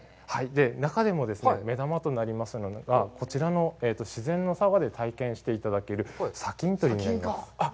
中でも目玉となりますのが、こちらの自然の沢で体験していただける、砂金採りになります。